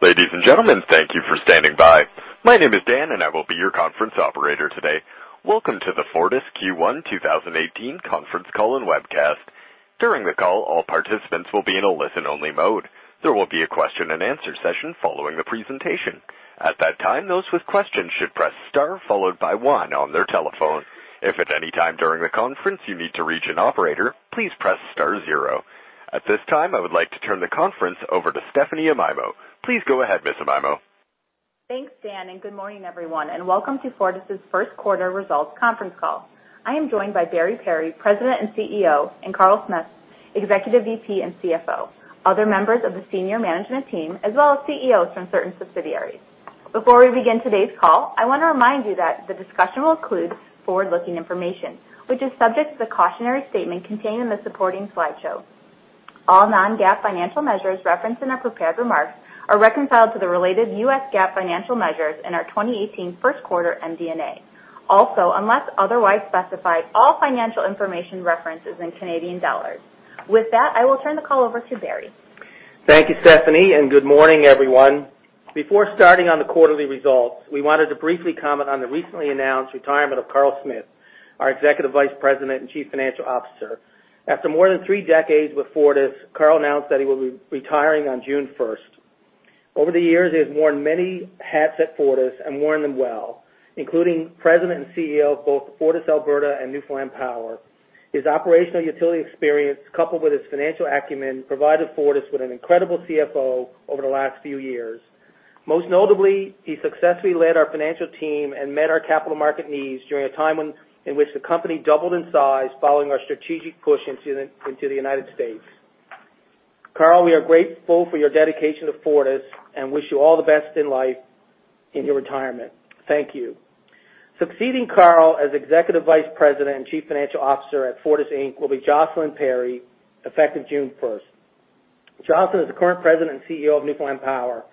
Ladies and gentlemen, thank you for standing by. My name is Dan and I will be your Conference Operator today. Welcome to the Fortis Q1 2018 conference call and webcast. During the call, all participants will be in a listen-only mode. There will be a question and answer session following the presentation. At that time, those with questions should press star followed by one on their telephone. If at any time during the conference you need to reach an operator, please press star zero. At this time, I would like to turn the conference over to Stephanie Amaimo. Please go ahead, Ms. Amaimo. Thanks, Dan, and good morning, everyone, and welcome to Fortis' first quarter results conference call. I am joined by Barry Perry, President and CEO, and Karl Smith, Executive VP and CFO, other members of the senior management team, as well as CEOs from certain subsidiaries. Before we begin today's call, I want to remind you that the discussion will include forward-looking information, which is subject to the cautionary statement contained in the supporting slideshow. All non-GAAP financial measures referenced in our prepared remarks are reconciled to the related U.S. GAAP financial measures in our 2018 first quarter MD&A. Also, unless otherwise specified, all financial information referenced is in Canadian dollars. With that, I will turn the call over to Barry. Thank you, Stephanie, and good morning, everyone. Before starting on the quarterly results, we wanted to briefly comment on the recently announced retirement of Karl Smith, our Executive Vice President and Chief Financial Officer. After more than three decades with Fortis, Karl announced that he will be retiring on June 1st. Over the years, he has worn many hats at Fortis and worn them well, including President and CEO of both FortisAlberta and Newfoundland Power. His operational utility experience, coupled with his financial acumen, provided Fortis with an incredible CFO over the last few years. Most notably, he successfully led our financial team and met our capital market needs during a time in which the company doubled in size following our strategic push into the United States. Karl, we are grateful for your dedication to Fortis and wish you all the best in life in your retirement. Thank you. Succeeding Karl as Executive Vice President and Chief Financial Officer at Fortis Inc. will be Jocelyn Perry, effective June 1st. Jocelyn is the current President and CEO of Newfoundland Power.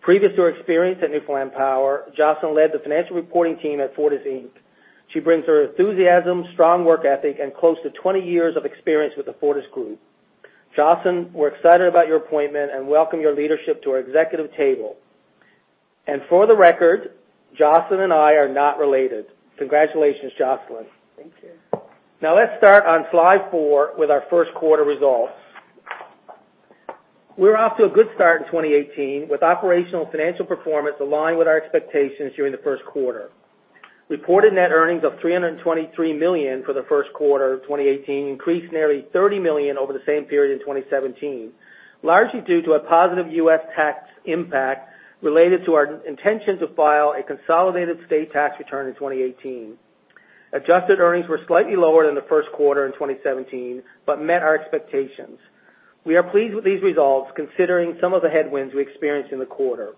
Previous to her experience at Newfoundland Power, Jocelyn led the financial reporting team at Fortis Inc. She brings her enthusiasm, strong work ethic, and close to 20 years of experience with the Fortis Group. Jocelyn, we're excited about your appointment and welcome your leadership to our executive table. For the record, Jocelyn and I are not related. Congratulations, Jocelyn. Thank you. Now let's start on slide four with our first quarter results. We're off to a good start in 2018 with operational financial performance aligned with our expectations during the first quarter. Reported net earnings of CAD 323 million for the first quarter of 2018 increased nearly CAD 30 million over the same period in 2017, largely due to a positive U.S. tax impact related to our intention to file a consolidated state tax return in 2018. Adjusted earnings were slightly lower than the first quarter in 2017, but met our expectations. We are pleased with these results considering some of the headwinds we experienced in the quarter.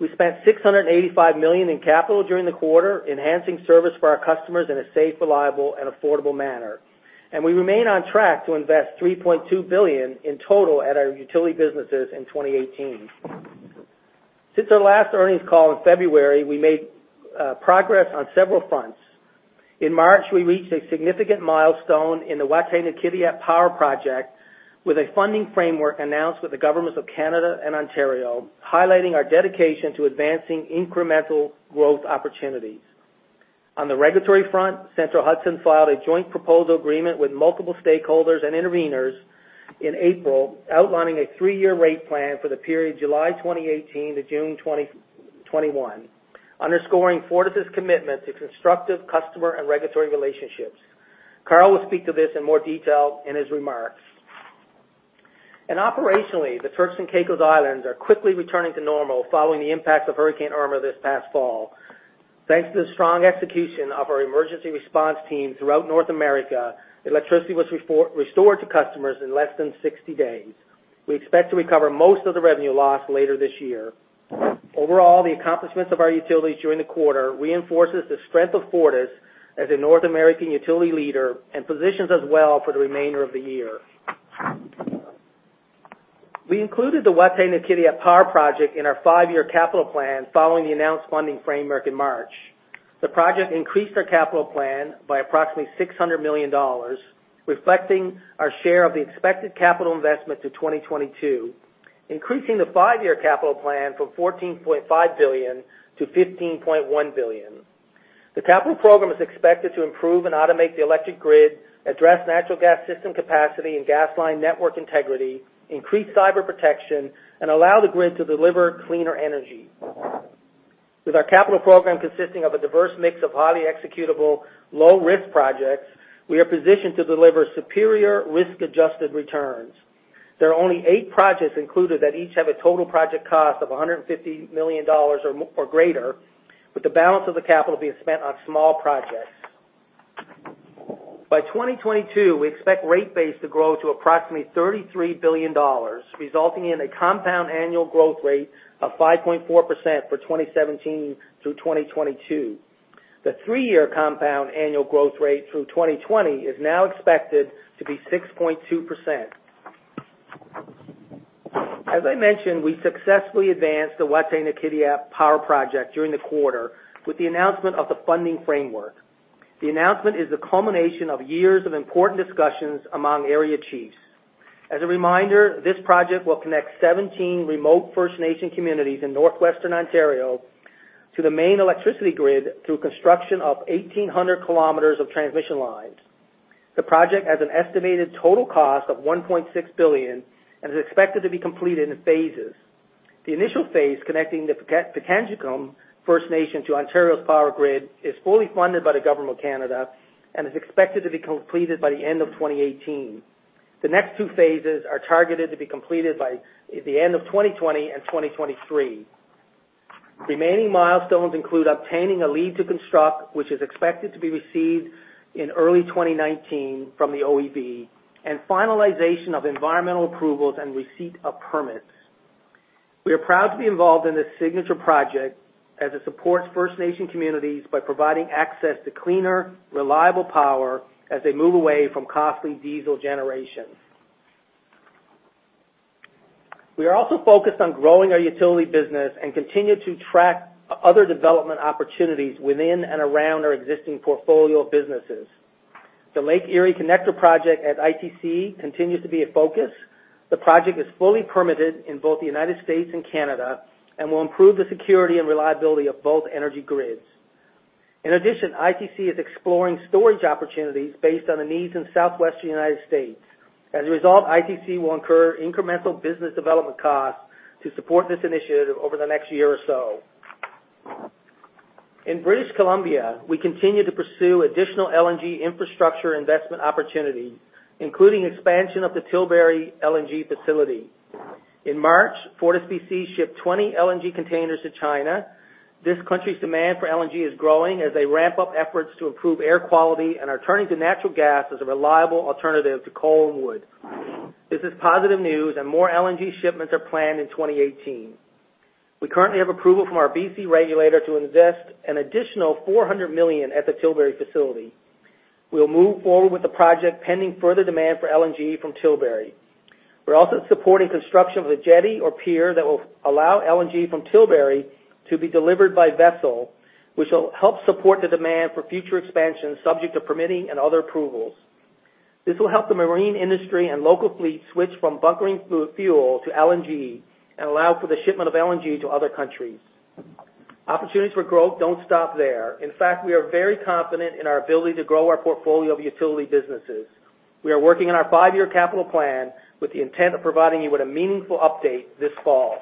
We spent 685 million in capital during the quarter, enhancing service for our customers in a safe, reliable and affordable manner. We remain on track to invest 3.2 billion in total at our utility businesses in 2018. Since our last earnings call in February, we made progress on several fronts. In March, we reached a significant milestone in the Wataynikaneyap Power Project with a funding framework announced with the governments of Canada and Ontario, highlighting our dedication to advancing incremental growth opportunities. On the regulatory front, Central Hudson filed a joint proposal agreement with multiple stakeholders and intervenors in April, outlining a three-year rate plan for the period July 2018 to June 2021, underscoring Fortis's commitment to constructive customer and regulatory relationships. Karl will speak to this in more detail in his remarks. Operationally, the Turks and Caicos Islands are quickly returning to normal following the impact of Hurricane Irma this past fall. Thanks to the strong execution of our emergency response team throughout North America, electricity was restored to customers in less than 60 days. We expect to recover most of the revenue loss later this year. Overall, the accomplishments of our utilities during the quarter reinforces the strength of Fortis as a North American utility leader, and positions us well for the remainder of the year. We included the Wataynikaneyap Power project in our five-year capital plan following the announced funding framework in March. The project increased our capital plan by approximately 600 million dollars, reflecting our share of the expected capital investment to 2022, increasing the five-year capital plan from 14.5 billion-15.1 billion. The capital program is expected to improve and automate the electric grid, address natural gas system capacity and gas line network integrity, increase cyber protection, and allow the grid to deliver cleaner energy. With our capital program consisting of a diverse mix of highly executable, low-risk projects, we are positioned to deliver superior risk-adjusted returns. There are only eight projects included that each have a total project cost of 150 million dollars or greater, with the balance of the capital being spent on small projects. By 2022, we expect rate base to grow to approximately 33 billion dollars, resulting in a compound annual growth rate of 5.4% for 2017-2022. The three-year compound annual growth rate through 2020 is now expected to be 6.2%. As I mentioned, we successfully advanced the Wataynikaneyap Power project during the quarter with the announcement of the funding framework. The announcement is the culmination of years of important discussions among area chiefs. As a reminder, this project will connect 17 remote First Nation communities in Northwestern Ontario to the main electricity grid through construction of 1,800 km of transmission lines. The project has an estimated total cost of 1.6 billion and is expected to be completed in phases. The initial phase, connecting the Pikangikum First Nation to Ontario's power grid, is fully funded by the Government of Canada and is expected to be completed by the end of 2018. The next two phases are targeted to be completed by the end of 2020 and 2023. Remaining milestones include obtaining a leave to construct, which is expected to be received in early 2019 from the OEB, and finalization of environmental approvals and receipt of permits. We are proud to be involved in this signature project as it supports First Nation communities by providing access to cleaner, reliable power as they move away from costly diesel generation. We are also focused on growing our utility business and continue to track other development opportunities within and around our existing portfolio of businesses. The Lake Erie Connector project at ITC continues to be a focus. The project is fully permitted in both the United States and Canada and will improve the security and reliability of both energy grids. In addition, ITC is exploring storage opportunities based on the needs in southwestern United States. As a result, ITC will incur incremental business development costs to support this initiative over the next year or so. In British Columbia, we continue to pursue additional LNG infrastructure investment opportunities, including expansion of the Tilbury LNG facility. In March, FortisBC shipped 20 LNG containers to China. This country's demand for LNG is growing as they ramp up efforts to improve air quality and are turning to natural gas as a reliable alternative to coal and wood. This is positive news, and more LNG shipments are planned in 2018. We currently have approval from our B.C. regulator to invest an additional 400 million at the Tilbury facility. We'll move forward with the project pending further demand for LNG from Tilbury. We're also supporting construction of a jetty or pier that will allow LNG from Tilbury to be delivered by vessel, which will help support the demand for future expansion, subject to permitting and other approvals. This will help the marine industry and local fleet switch from bunkering fuel to LNG and allow for the shipment of LNG to other countries. Opportunities for growth don't stop there. In fact, we are very confident in our ability to grow our portfolio of utility businesses. We are working on our five-year capital plan with the intent of providing you with a meaningful update this fall.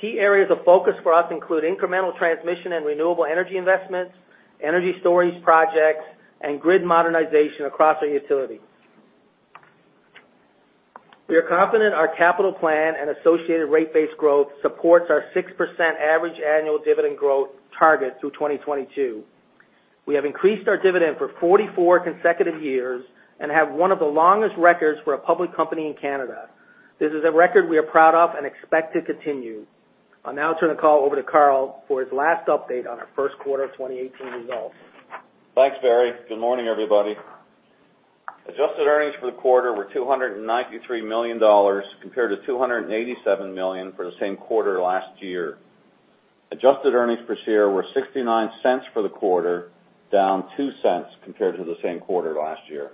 Key areas of focus for us include incremental transmission and renewable energy investments, energy storage projects, and grid modernization across our utilities. We are confident our capital plan and associated rate base growth supports our 6% average annual dividend growth target through 2022. We have increased our dividend for 44 consecutive years and have one of the longest records for a public company in Canada. This is a record we are proud of and expect to continue. I'll now turn the call over to Karl for his last update on our first quarter 2018 results. Thanks, Barry. Good morning, everybody. Adjusted earnings for the quarter were 293 million dollars, compared to 287 million for the same quarter last year. Adjusted earnings per share were 0.69 for the quarter, down 0.02 compared to the same quarter last year.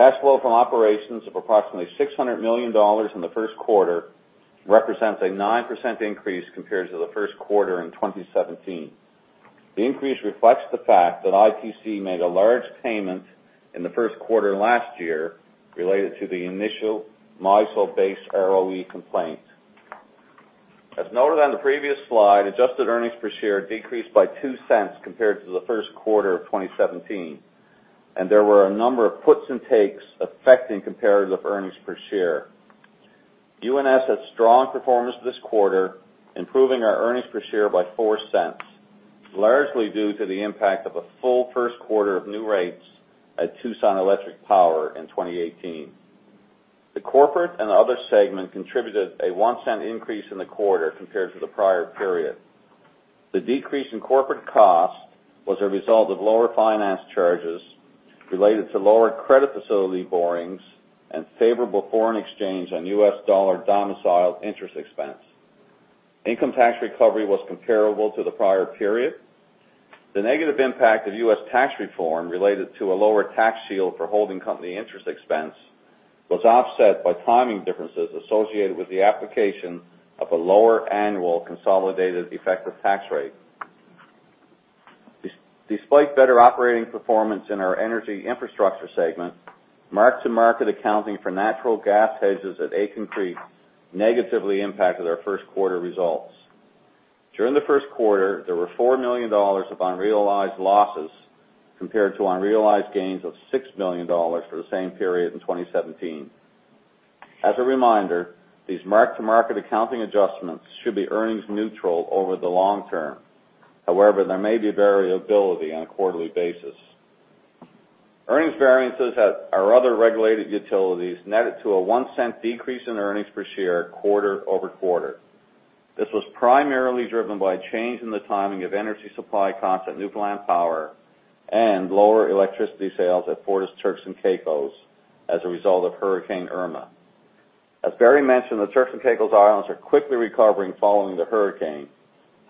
Cash flow from operations of approximately 600 million dollars in the first quarter represents a 9% increase compared to the first quarter in 2017. The increase reflects the fact that ITC made a large payment in the first quarter last year related to the initial MISO based ROE complaint. As noted on the previous slide, adjusted earnings per share decreased by 0.02 compared to the first quarter of 2017, and there were a number of puts and takes affecting comparative earnings per share. UNS had strong performance this quarter, improving our earnings per share by 0.04, largely due to the impact of a full first quarter of new rates at Tucson Electric Power in 2018. The Corporate and Other segment contributed a CAD 0.01 increase in the quarter compared to the prior period. The decrease in corporate costs was a result of lower finance charges related to lower credit facility borrowings and favorable foreign exchange on U.S. dollar domiciled interest expense. Income tax recovery was comparable to the prior period. The negative impact of U.S. tax reform related to a lower tax shield for holding company interest expense was offset by timing differences associated with the application of a lower annual consolidated effective tax rate. Despite better operating performance in our Energy Infrastructure segment, mark-to-market accounting for natural gas hedges at Aitken Creek negatively impacted our first quarter results. During the first quarter, there were 4 million dollars of unrealized losses, compared to unrealized gains of 6 million dollars for the same period in 2017. As a reminder, these mark-to-market accounting adjustments should be earnings neutral over the long term. However, there may be variability on a quarterly basis. Earnings variances at our other regulated utilities netted to a 0.01 decrease in earnings per share quarter-over-quarter. This was primarily driven by a change in the timing of energy supply costs at Newfoundland Power and lower electricity sales at Fortis Turks and Caicos as a result of Hurricane Irma. As Barry mentioned, the Turks and Caicos Islands are quickly recovering following the hurricane.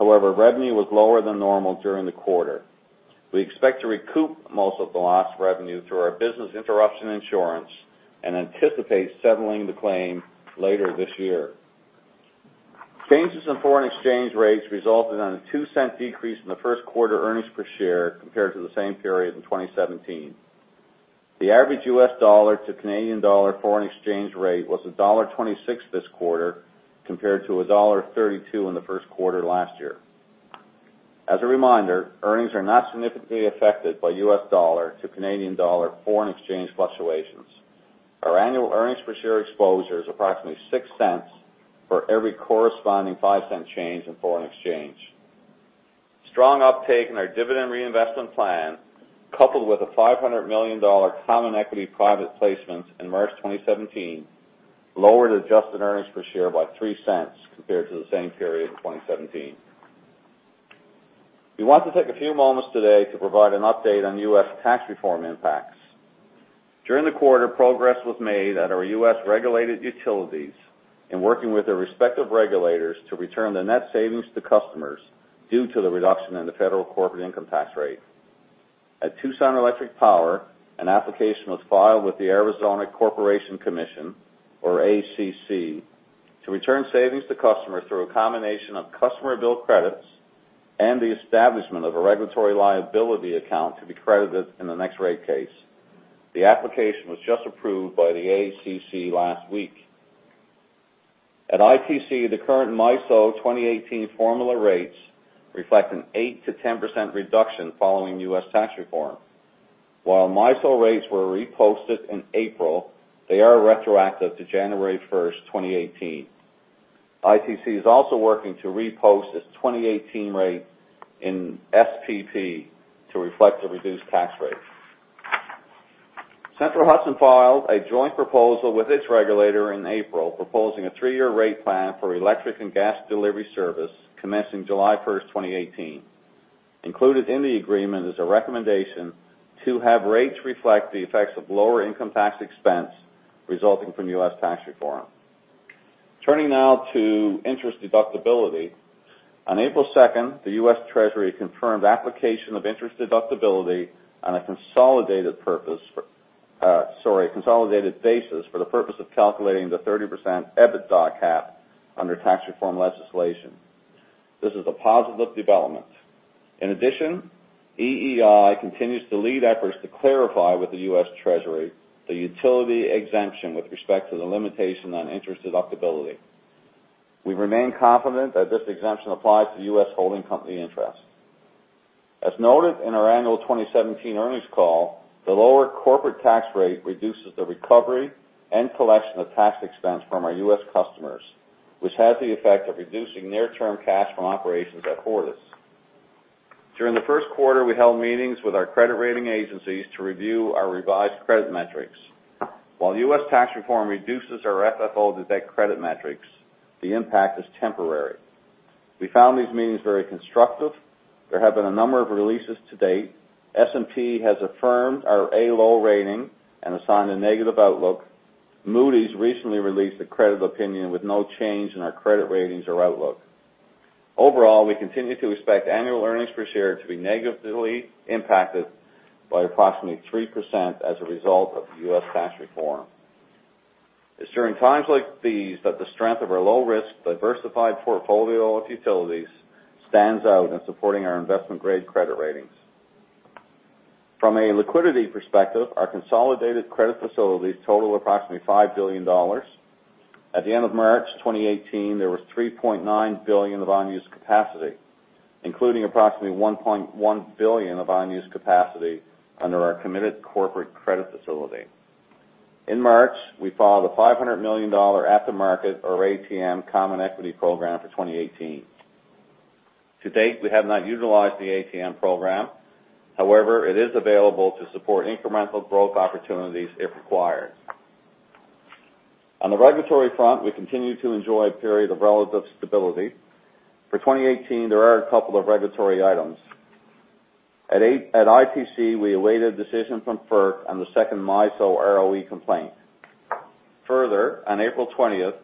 However, revenue was lower than normal during the quarter. We expect to recoup most of the lost revenue through our business interruption insurance, and anticipate settling the claim later this year. Changes in foreign exchange rates resulted in a 0.02 decrease in the first quarter earnings per share compared to the same period in 2017. The average U.S. dollar to Canadian dollar foreign exchange rate was dollar 1.26 this quarter, compared to dollar 1.32 in the first quarter last year. As a reminder, earnings are not significantly affected by U.S. dollar to Canadian dollar foreign exchange fluctuations. Our annual earnings per share exposure is approximately 0.06 for every corresponding 0.05 change in foreign exchange. Strong uptake in our dividend reinvestment plan, coupled with a 500 million dollar common equity private placement in March 2017, lowered adjusted earnings per share by 0.03 compared to the same period in 2017. We want to take a few moments today to provide an update on U.S. tax reform impacts. During the quarter, progress was made at our U.S.-regulated utilities in working with their respective regulators to return the net savings to customers, due to the reduction in the federal corporate income tax rate. At Tucson Electric Power, an application was filed with the Arizona Corporation Commission, or ACC, to return savings to customers through a combination of customer bill credits and the establishment of a regulatory liability account to be credited in the next rate case. The application was just approved by the ACC last week. At ITC, the current MISO 2018 formula rates reflect an 8%-10% reduction following U.S. tax reform. While MISO rates were reposted in April, they are retroactive to January 1st, 2018. ITC is also working to repost its 2018 rates in SPP to reflect the reduced tax rates. Central Hudson filed a joint proposal with its regulator in April proposing a three-year rate plan for electric and gas delivery service commencing July 1st, 2018. Included in the agreement is a recommendation to have rates reflect the effects of lower income tax expense resulting from U.S. tax reform. Turning now to interest deductibility. On April 2nd, the U.S. Treasury confirmed application of interest deductibility on a consolidated basis for the purpose of calculating the 30% EBITDA cap under tax reform legislation. This is a positive development. In addition, EEI continues to lead efforts to clarify with the U.S. Treasury the utility exemption with respect to the limitation on interest deductibility. We remain confident that this exemption applies to U.S. holding company interests. As noted in our annual 2017 earnings call, the lower corporate tax rate reduces the recovery and collection of tax expense from our U.S. customers, which has the effect of reducing near-term cash from operations at Fortis. During the first quarter, we held meetings with our credit rating agencies to review our revised credit metrics. While U.S. tax reform reduces our FFO-to-debt credit metrics, the impact is temporary. We found these meetings very constructive. There have been a number of releases to date. S&P has affirmed our A- rating and assigned a negative outlook. Moody's recently released a credit opinion with no change in our credit ratings or outlook. Overall, we continue to expect annual earnings per share to be negatively impacted by approximately 3% as a result of U.S. tax reform. It's during times like these that the strength of our low-risk, diversified portfolio of utilities stands out in supporting our investment-grade credit ratings. From a liquidity perspective, our consolidated credit facilities total approximately 5 billion dollars. At the end of March 2018, there was 3.9 billion of unused capacity, including approximately 1.1 billion of unused capacity under our committed corporate credit facility. In March, we filed a 500 million dollar at-the-market, or ATM, common equity program for 2018. To date, we have not utilized the ATM program. However, it is available to support incremental growth opportunities if required. On the regulatory front, we continue to enjoy a period of relative stability. For 2018, there are a couple of regulatory items. At ITC, we await a decision from FERC on the second MISO ROE complaint. Further, on April 20th,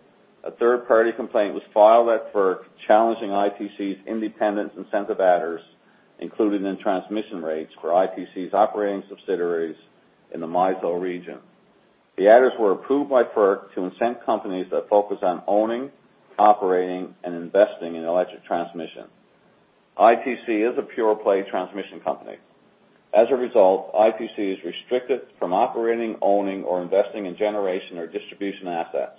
a third-party complaint was filed at FERC challenging ITC's independent incentive adders included in transmission rates for ITC's operating subsidiaries in the MISO region. The adders were approved by FERC to incent companies that focus on owning, operating, and investing in electric transmission. ITC is a pure-play transmission company. As a result, ITC is restricted from operating, owning, or investing in generation or distribution assets.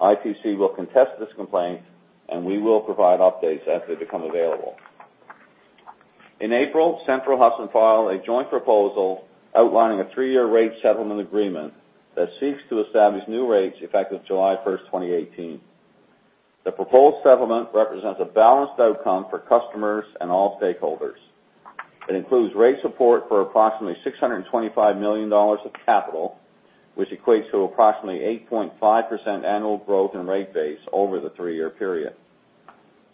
ITC will contest this complaint, and we will provide updates as they become available. In April, Central Hudson filed a joint proposal outlining a three-year rate settlement agreement that seeks to establish new rates effective July 1st, 2018. The proposed settlement represents a balanced outcome for customers and all stakeholders. It includes rate support for approximately $625 million of capital, which equates to approximately 8.5% annual growth in rate base over the three-year period.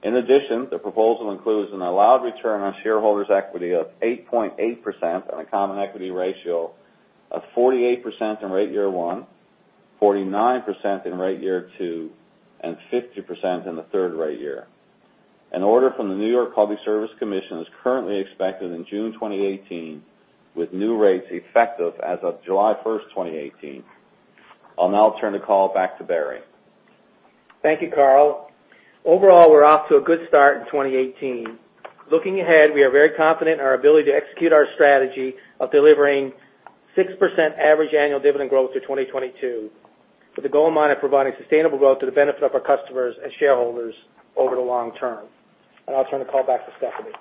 In addition, the proposal includes an allowed return on shareholders' equity of 8.8% on a common equity ratio of 48% in rate year one, 49% in rate year two, and 50% in the third rate year. An order from the New York Public Service Commission is currently expected in June 2018, with new rates effective as of July 1st, 2018. I'll now turn the call back to Barry. Thank you, Karl. Overall, we're off to a good start in 2018. Looking ahead, we are very confident in our ability to execute our strategy of delivering 6% average annual dividend growth through 2022, with the goal in mind of providing sustainable growth to the benefit of our customers and shareholders over the long term. I'll turn the call back to Stephanie.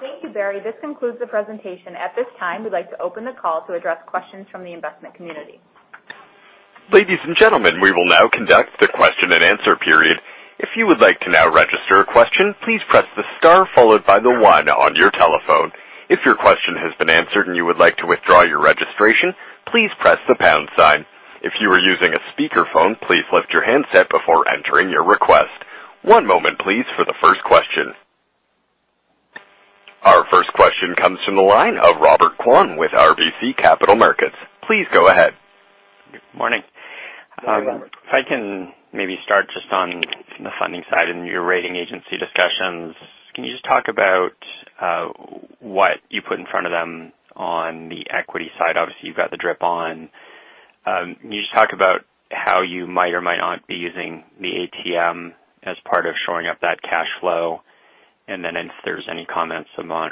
Thank you, Barry. This concludes the presentation. At this time, we'd like to open the call to address questions from the investment community. Ladies and gentlemen, we will now conduct the question and answer period. If you would like to now register a question, please press the star followed by the one on your telephone. If your question has been answered and you would like to withdraw your registration, please press the pound sign. If you are using a speakerphone, please lift your handset before entering your request. One moment, please, for the first question. Our first question comes from the line of Robert Kwan with RBC Capital Markets. Please go ahead. Good morning. Good morning, Robert. If I can maybe start just on the funding side and your rating agency discussions, can you just talk about what you put in front of them on the equity side? Obviously, you've got the DRIP on. Can you just talk about how you might or might not be using the ATM as part of shoring up that cash flow, if there's any comments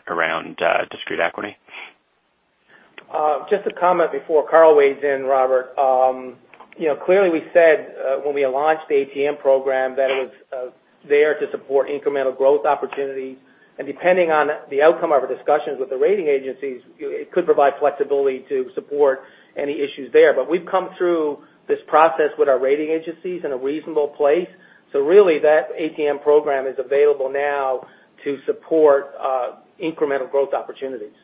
around discrete equity? Just a comment before Karl weighs in, Robert. Clearly we said when we launched the ATM program that it was there to support incremental growth opportunity. Depending on the outcome of our discussions with the rating agencies, it could provide flexibility to support any issues there. We've come through this process with our rating agencies in a reasonable place. Really that ATM program is available now to support incremental growth opportunities.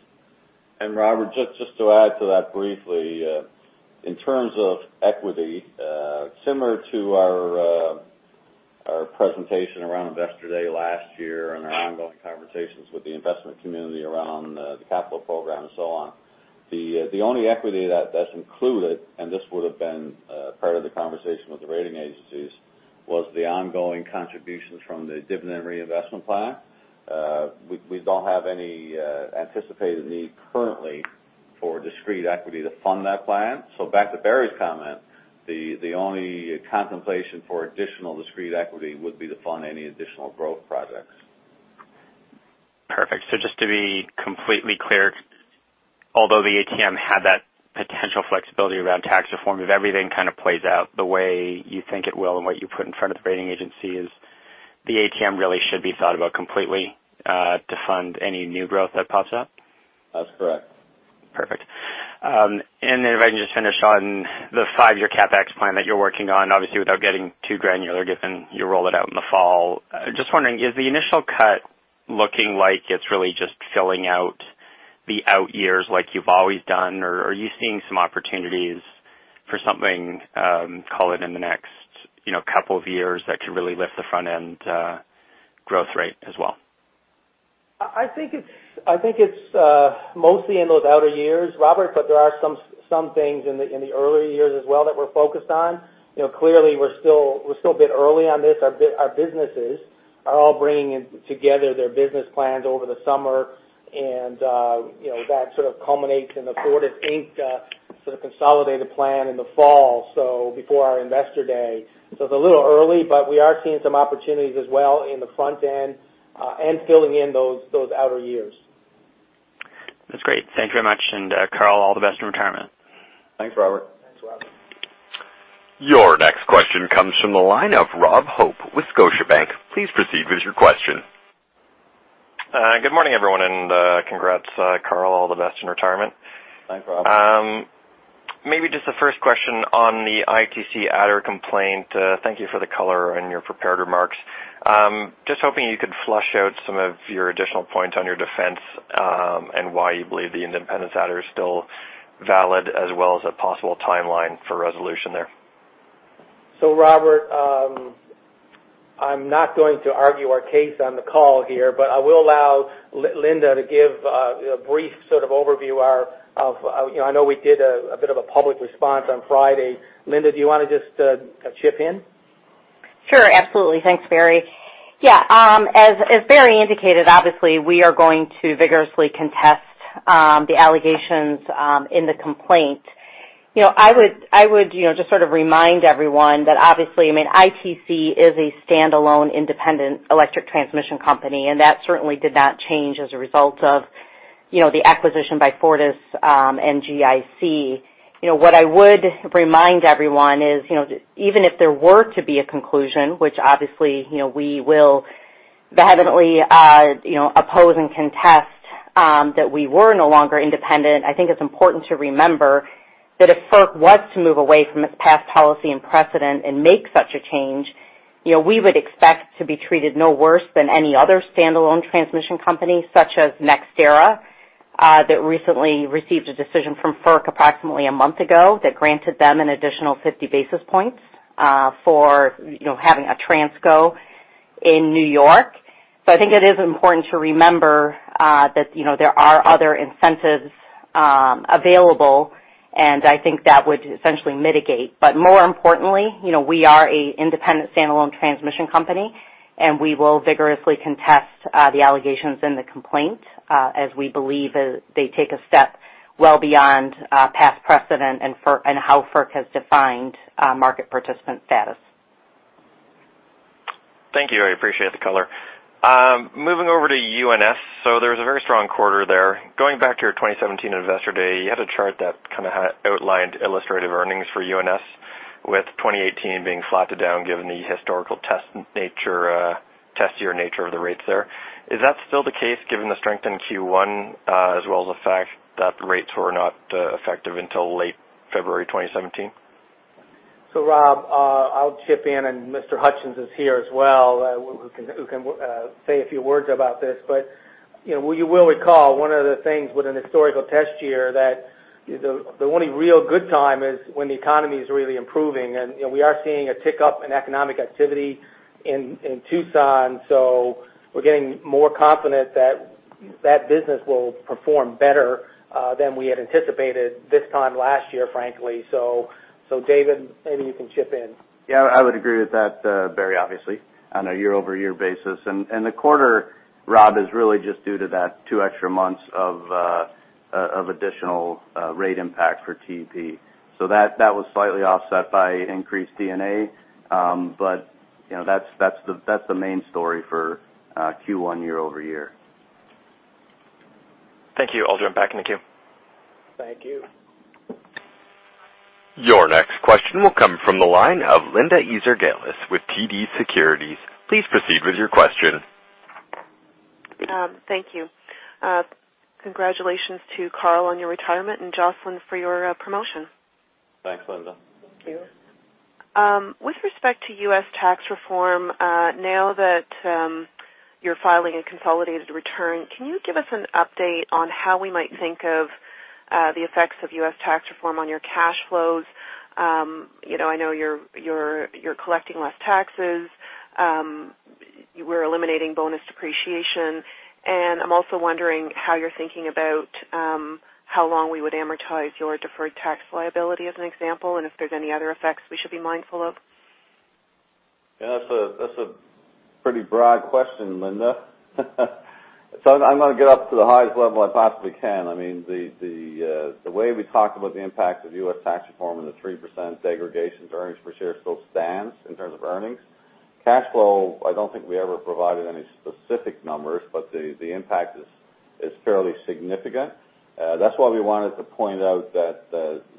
Robert, just to add to that briefly. In terms of equity, similar to our presentation around Investor Day last year and our ongoing conversations with the investment community around the capital program and so on, the only equity that's included, and this would've been part of the conversation with the rating agencies, was the ongoing contributions from the dividend reinvestment plan. We don't have any anticipated need currently for discrete equity to fund that plan. Back to Barry's comment, the only contemplation for additional discrete equity would be to fund any additional growth projects. Perfect. Just to be completely clear, although the ATM had that potential flexibility around tax reform, if everything kind of plays out the way you think it will and what you put in front of the rating agencies, the ATM really should be thought about completely, to fund any new growth that pops up? That's correct. Perfect. If I can just finish on the five-year CapEx plan that you're working on, obviously, without getting too granular, given you roll it out in the fall, just wondering, is the initial cut looking like it's really just filling out the out years like you've always done? Are you seeing some opportunities for something, call it in the next couple of years, that could really lift the front-end growth rate as well? I think it's mostly in those outer years, Robert, but there are some things in the earlier years as well that we're focused on. Clearly we're still a bit early on this. Our businesses are all bringing together their business plans over the summer and that sort of culminates in the Fortis Inc. sort of consolidated plan in the fall, so before our Investor Day. It's a little early, but we are seeing some opportunities as well in the front end and filling in those outer years. That's great. Thank you very much. Karl, all the best in retirement. Thanks, Robert. Thank you, Robert. Your next question comes from the line of Rob Hope with Scotiabank. Please proceed with your question. Good morning, everyone, and congrats, Karl. All the best in retirement. Thanks, Rob. Maybe just the first question on the ITC adder complaint, thank you for the color in your prepared remarks. Just hoping you could flesh out some of your additional points on your defense, and why you believe the independence adder is still valid, as well as a possible timeline for resolution there. Robert, I'm not going to argue our case on the call here, but I will allow Linda to give a brief sort of overview. I know we did a bit of a public response on Friday. Linda, do you want to just chip in? Sure, absolutely. Thanks, Barry. Yeah. As Barry indicated, obviously, we are going to vigorously contest the allegations in the complaint. I would just sort of remind everyone that obviously, ITC is a standalone independent electric transmission company, and that certainly did not change as a result of the acquisition by Fortis and GIC. What I would remind everyone is, even if there were to be a conclusion, which obviously, we will vehemently oppose and contest, that we were no longer independent. I think it's important to remember that if FERC was to move away from its past policy and precedent and make such a change, we would expect to be treated no worse than any other standalone transmission company, such as NextEra that recently received a decision from FERC approximately a month ago that granted them an additional 50 basis points for having a transco in New York. I think it is important to remember that there are other incentives available, and I think that would essentially mitigate. More importantly, we are a independent standalone transmission company, and we will vigorously contest the allegations in the complaint, as we believe they take a step well beyond past precedent and how FERC has defined market participant status. Thank you. I appreciate the color. Moving over to UNS. There was a very strong quarter there. Going back to your 2017 Investor Day, you had a chart that kind of outlined illustrative earnings for UNS with 2018 being flat to down given the historical test year nature of the rates there. Is that still the case given the strength in Q1, as well as the fact that the rates were not effective until late February 2017? Rob, I'll chip in and David Hutchens is here as well, who can say a few words about this. You will recall one of the things with an historical test year that the only real good time is when the economy is really improving. We are seeing a tick up in economic activity in Tucson. We're getting more confident that that business will perform better than we had anticipated this time last year, frankly. David, maybe you can chip in. Yeah, I would agree with that, Barry, obviously, on a year-over-year basis. The quarter, Rob, is really just due to that two extra months of additional rate impact for TEP. That was slightly offset by increased D&A. That's the main story for Q1 year-over-year. Thank you. I'll jump back in the queue. Thank you. Your next question will come from the line of Linda Ezergailis with TD Securities. Please proceed with your question. Thank you. Congratulations to Karl on your retirement and Jocelyn for your promotion. Thank you, Linda. With respect to U.S. tax reform, now that you're filing a consolidated return, can you give us an update on how we might think of the effects of U.S. tax reform on your cash flows? I know you're collecting less taxes. We're eliminating bonus depreciation. I'm also wondering how you're thinking about how long we would amortize your deferred tax liability, as an example, and if there's any other effects we should be mindful of. Yeah, that's a pretty broad question, Linda. I'm going to get up to the highest level I possibly can. The way we talked about the impact of U.S. tax reform and the 3% accretion to earnings per share still stands in terms of earnings. Cash flow, I don't think we ever provided any specific numbers, but the impact is fairly significant. That's why we wanted to point out that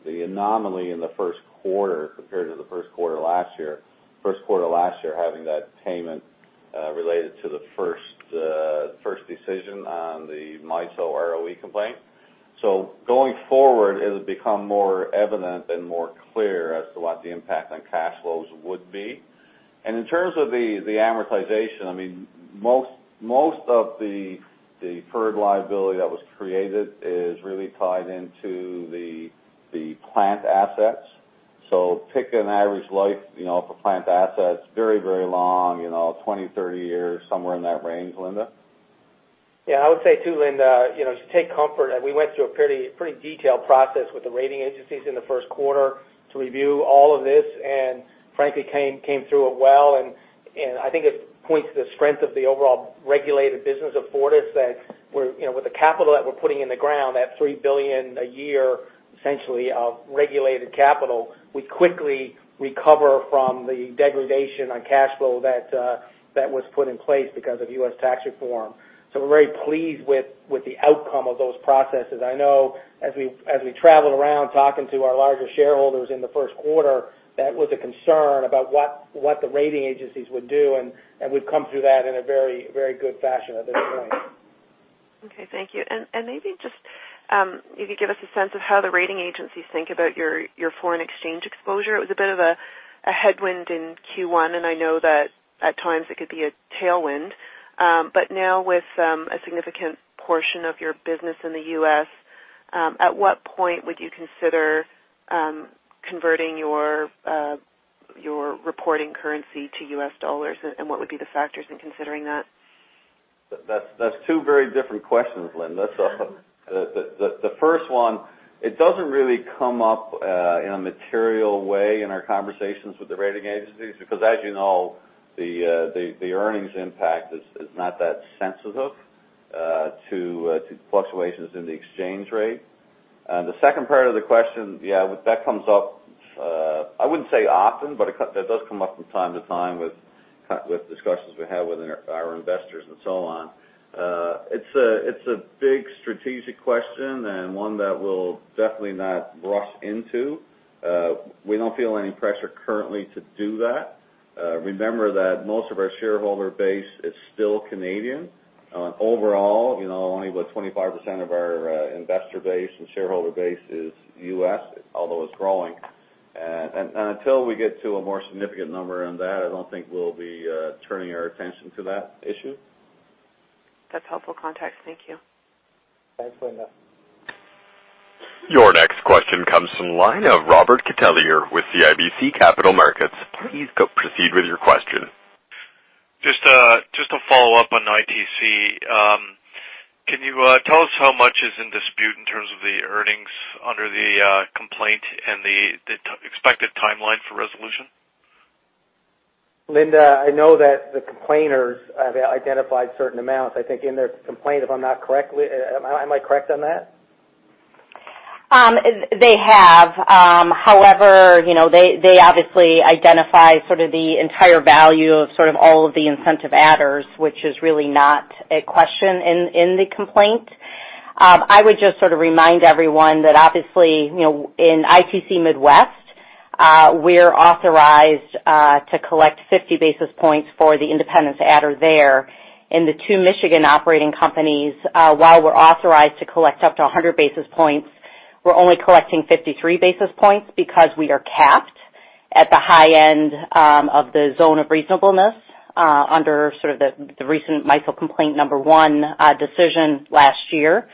the anomaly in the first quarter compared to the first quarter last year having that payment related to the first decision on the MISO ROE complaint. Going forward, it'll become more evident and more clear as to what the impact on cash flows would be. In terms of the amortization, most of the deferred liability that was created is really tied into the plant assets. So pick an average life for plant assets, very, very long, 20, 30 years, somewhere in that range, Linda. Yeah, I would say, too, Linda, to take comfort that we went through a pretty detailed process with the rating agencies in the first quarter to review all of this and frankly, came through it well. I think it points to the strength of the overall regulated business of Fortis that with the capital that we're putting in the ground, that 3 billion a year, essentially, of regulated capital, we quickly recover from the degradation on cash flow that was put in place because of U.S. tax reform. We're very pleased with the outcome of those processes. I know as we traveled around talking to our larger shareholders in the first quarter, that was a concern about what the rating agencies would do, and we've come through that in a very good fashion at this point. Okay, thank you. Maybe just if you could give us a sense of how the rating agencies think about your foreign exchange exposure. It was a bit of a headwind in Q1, and I know that at times it could be a tailwind. Now with a significant portion of your business in the U.S., at what point would you consider converting your reporting currency to U.S. dollars? What would be the factors in considering that? That's two very different questions, Linda. The first one, it doesn't really come up in a material way in our conversations with the rating agencies, because as you know the earnings impact is not that sensitive to fluctuations in the exchange rate. The second part of the question, yeah, that comes up, I wouldn't say often, but that does come up from time to time with discussions we have with our investors and so on. It's a big strategic question and one that we'll definitely not rush into. We don't feel any pressure currently to do that. Remember that most of our shareholder base is still Canadian. Overall, only about 25% of our investor base and shareholder base is U.S., although it's growing. Until we get to a more significant number on that, I don't think we'll be turning our attention to that issue. That's helpful context. Thank you. Thank you, Linda. Your next question comes from the line of Robert Catellier with CIBC Capital Markets. Please proceed with your question. Just to follow up on ITC, can you tell us how much is in dispute in terms of the earnings under the complaint and the expected timeline for resolution? Linda, I know that the complainants have identified certain amounts, I think in their complaint. Am I correct on that? They have. However, they obviously identify sort of the entire value of sort of all of the incentive adders, which is really not a question in the complaint. I would just sort of remind everyone that obviously, in ITC Midwest, we're authorized to collect 50 basis points for the independence adder there. In the two Michigan operating companies, while we're authorized to collect up to 100 basis points, we're only collecting 53 basis points because we are capped at the high end of the zone of reasonableness, under sort of the recent MISO complaint number one decision last year.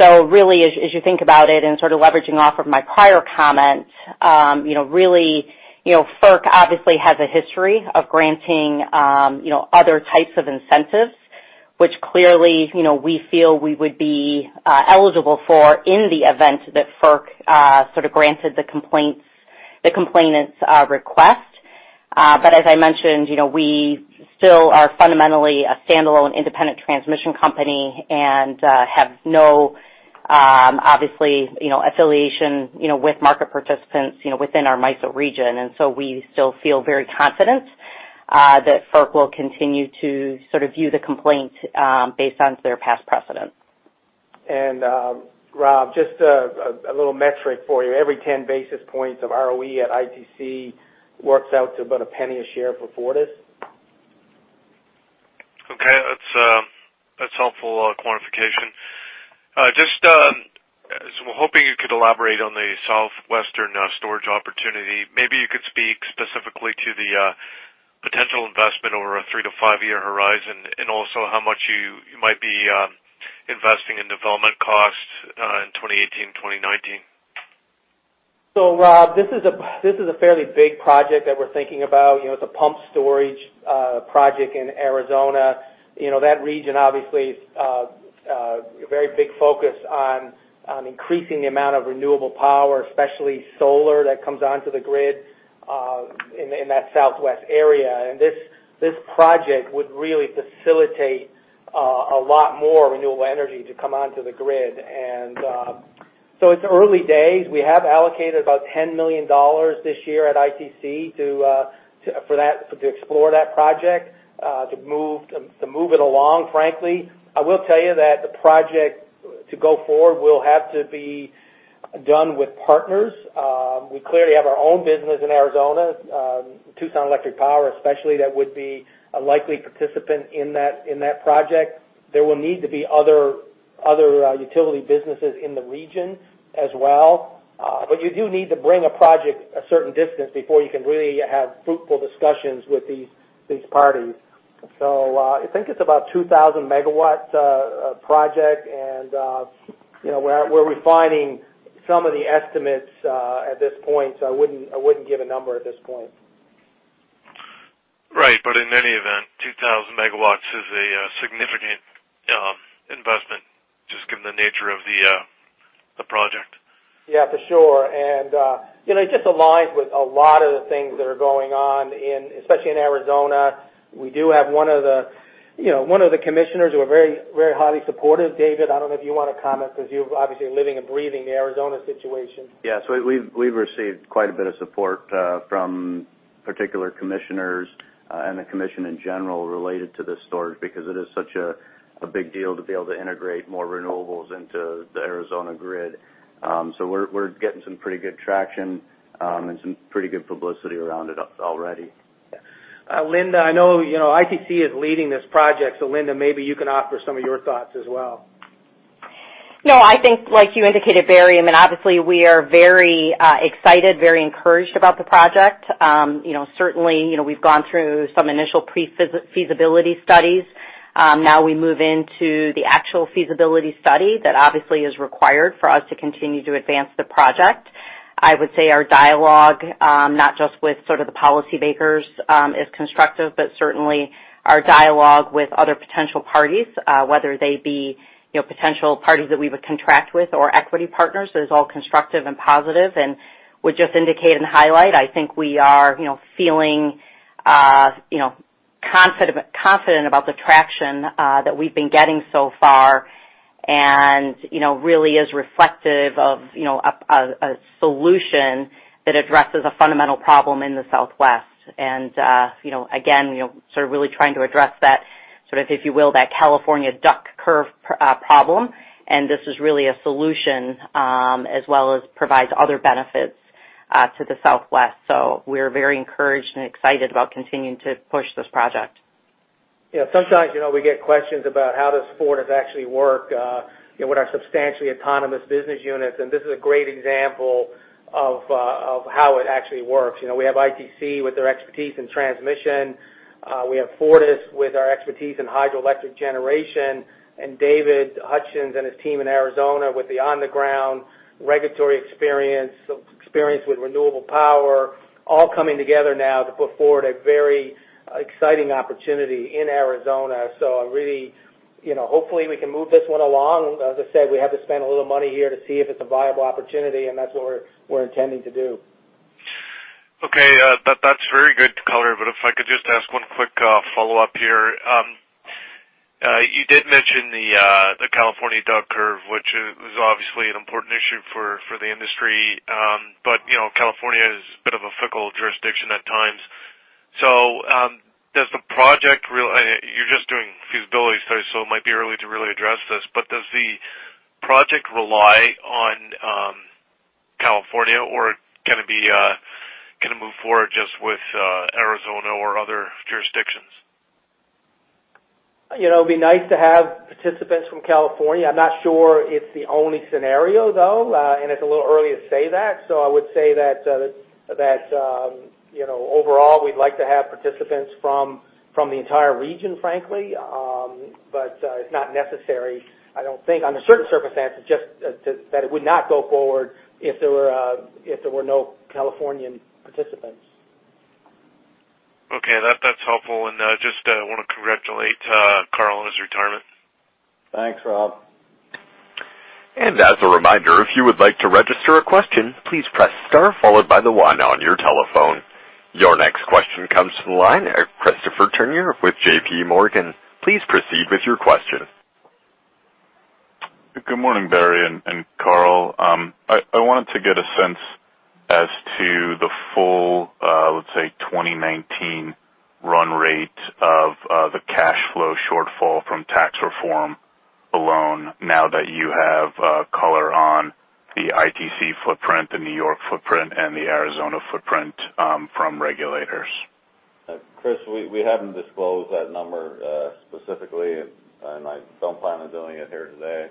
Really, as you think about it and sort of leveraging off of my prior comment, FERC obviously has a history of granting other types of incentives, which clearly, we feel we would be eligible for in the event that FERC sort of granted the complainant's request. As I mentioned, we still are fundamentally a standalone independent transmission company and have no, obviously, affiliation with market participants within our MISO region. We still feel very confident that FERC will continue to sort of view the complaint, based on their past precedent. Rob, just a little metric for you. Every 10 basis points of ROE at ITC works out to about a penny a share for Fortis. Okay. That's helpful quantification. I just was hoping you could elaborate on the Southwestern storage opportunity. Maybe you could speak specifically to the potential investment over a three-to-five year horizon, and also how much you might be investing in development costs in 2018, 2019. Rob, this is a fairly big project that we're thinking about. It's a pumped storage project in Arizona. That region, obviously, a very big focus on increasing the amount of renewable power, especially solar, that comes onto the grid in that Southwest area. This project would really facilitate a lot more renewable energy to come onto the grid. It's early days. We have allocated about $10 million this year at ITC to explore that project, to move it along frankly. I will tell you that the project to go forward will have to be done with partners. We clearly have our own business in Arizona. Tucson Electric Power, especially, that would be a likely participant in that project. There will need to be other utility businesses in the region as well. You do need to bring a project a certain distance before you can really have fruitful discussions with these parties. I think it's about a 2,000 MW project, and we're refining some of the estimates at this point, so I wouldn't give a number at this point. Right. In any event, 2,000 MW is a significant investment, just given the nature of the project. Yeah, for sure. It just aligns with a lot of the things that are going on, especially in Arizona. We do have one of the commissioners who are very highly supportive. David, I don't know if you want to comment because you're obviously living and breathing the Arizona situation. Yes. We've received quite a bit of support from particular Commissioners and the Commission in general related to this storage, because it is such a big deal to be able to integrate more renewables into the Arizona grid. We're getting some pretty good traction and some pretty good publicity around it already. Linda, I know ITC is leading this project, so, Linda, maybe you can offer some of your thoughts as well. No, I think like you indicated, Barry, I mean, obviously we are very excited, very encouraged about the project. Certainly, we've gone through some initial pre-feasibility studies. Now we move into the actual feasibility study that obviously is required for us to continue to advance the project. I would say our dialogue, not just with sort of the policymakers, is constructive, but certainly our dialogue with other potential parties, whether they be potential parties that we would contract with or equity partners, is all constructive and positive. Would just indicate and highlight, I think we are feeling confident about the traction that we've been getting so far and really is reflective of a solution that addresses a fundamental problem in the Southwest. Again, sort of really trying to address that, sort of, if you will, that California duck curve problem. This is really a solution, as well as provides other benefits to the Southwest. We're very encouraged and excited about continuing to push this project. Sometimes we get questions about how does Fortis actually work with our substantially autonomous business units, and this is a great example of how it actually works. We have ITC with their expertise in transmission. We have Fortis with our expertise in hydroelectric generation, and David Hutchens and his team in Arizona with the on-the-ground regulatory experience with renewable power, all coming together now to put forward a very exciting opportunity in Arizona. Hopefully we can move this one along. As I said, we have to spend a little money here to see if it's a viable opportunity, and that's what we're intending to do. Okay. That's very good color. If I could just ask one quick follow-up here. You did mention the California duck curve, which is obviously an important issue for the industry. California is a bit of a fickle jurisdiction at times. You're just doing feasibility studies, so it might be early to really address this. Does the project rely on California or can it move forward just with Arizona, or other jurisdictions? It'd be nice to have participants from California. I'm not sure it's the only scenario, though, and it's a little early to say that. I would say that overall, we'd like to have participants from the entire region, frankly, but it's not necessary. I don't think, under certain circumstances, just that it would not go forward if there were no Californian participants. Okay. That's helpful. I just want to congratulate Karl on his retirement. Thanks, Rob. As a reminder, if you would like to register a question, please press star followed by the one on your telephone. Your next question comes to the line, Christopher Turnure with JPMorgan. Please proceed with your question. Good morning, Barry and Karl. I wanted to get a sense as to the full, let's say, 2019 run rate of the cash flow shortfall from tax reform alone now that you have color on the ITC footprint, the New York footprint, and the Arizona footprint from regulators. Chris, we haven't disclosed that number specifically, and I don't plan on doing it here today.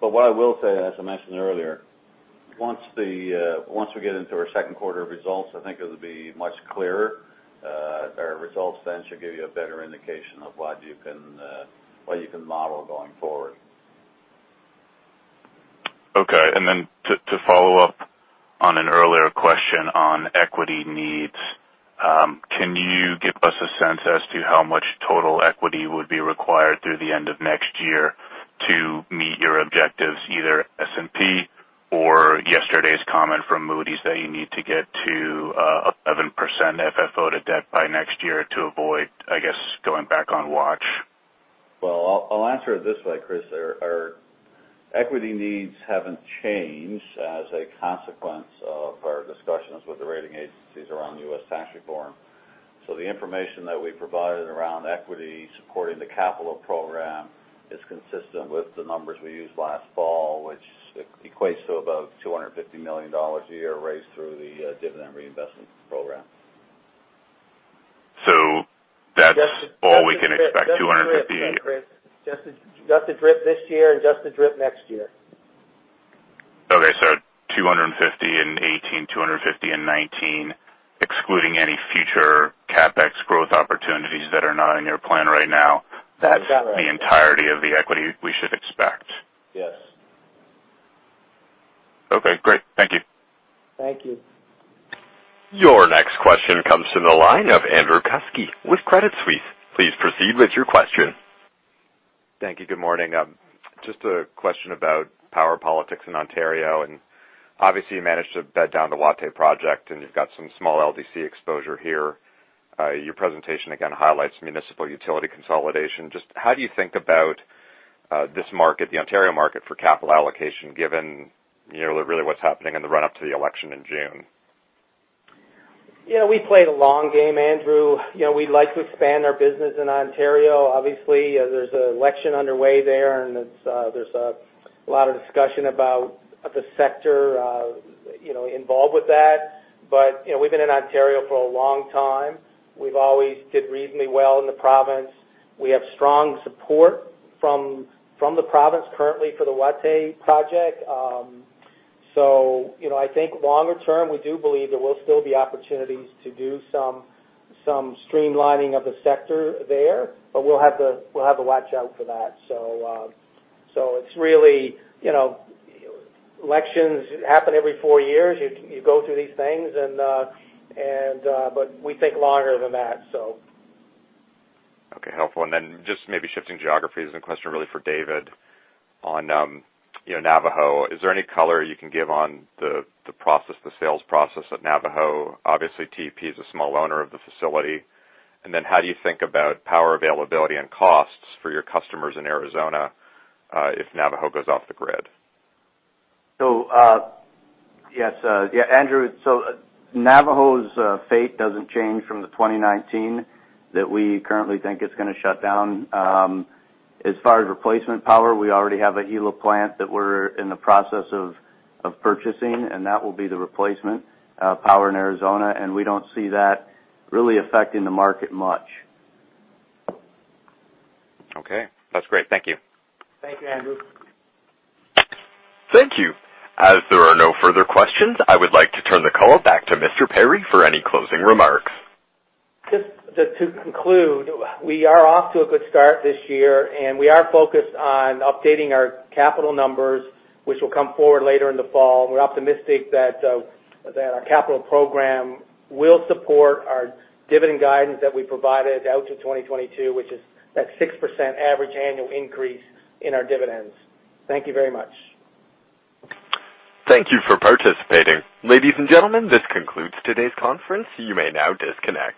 What I will say, as I mentioned earlier, once we get into our second quarter results, I think it'll be much clearer. Our results then should give you a better indication of what you can model going forward. Okay. To follow up on an earlier question on equity needs, can you give us a sense as to how much total equity would be required through the end of next year to meet your objectives, either S&P or yesterday's comment from Moody's that you need to get to 11% FFO to debt by next year to avoid, I guess, going back on watch? Well, I'll answer it this way, Chris. Our equity needs haven't changed as a consequence of our discussions with the rating agencies around U.S. tax reform. The information that we provided around equity supporting the capital program is consistent with the numbers we used last fall, which equates to about 250 million dollars a year raised through the dividend reinvestment program. That's all we can expect, 250. Just the DRIP this year and just the DRIP next year. Okay, CAD 250 in 2018, 250 in 2019, excluding any future CapEx growth opportunities that are not in your plan right now? You got it. That's the entirety of the equity we should expect. Yes. Okay, great. Thank you. Thank you. Your next question comes to the line of Andrew Kuske with Credit Suisse. Please proceed with your question. Thank you. Good morning. Just a question about power politics in Ontario. Obviously, you managed to bed down the Wataynikaneyap project. You've got some small LDC exposure here. Your presentation again highlights municipal utility consolidation. Just how do you think about this market, the Ontario market, for capital allocation, given really what's happening in the run-up to the election in June? Yeah, we play the long game, Andrew. We'd like to expand our business in Ontario. Obviously, there's an election underway there, and there's a lot of discussion about the sector involved with that. We've been in Ontario for a long time. We've always did reasonably well in the province. We have strong support from the province currently for the Wataynikaneyap project. I think longer term, we do believe there will still be opportunities to do some streamlining of the sector there, but we'll have to watch out for that. Elections happen every four years. You go through these things, but we think longer than that. Okay, helpful. Just maybe shifting geographies, a question really for David on Navajo. Is there any color you can give on the sales process at Navajo? Obviously, TEP is a small owner of the facility. How do you think about power availability and costs for your customers in Arizona if Navajo goes off the grid? Yes. Andrew, Navajo's fate doesn't change from the 2019 that we currently think it's going to shut down. As far as replacement power, we already have a Gila plant that we're in the process of purchasing, and that will be the replacement power in Arizona, and we don't see that really affecting the market much. Okay. That's great. Thank you. Thank you, Andrew. Thank you. As there are no further questions, I would like to turn the call back to Mr. Perry for any closing remarks. Just to conclude, we are off to a good start this year, and we are focused on updating our capital numbers, which will come forward later in the fall. We're optimistic that our capital program will support our dividend guidance that we provided out to 2022, which is that 6% average annual increase in our dividends. Thank you very much. Thank you for participating. Ladies and gentlemen, this concludes today's conference. You may now disconnect.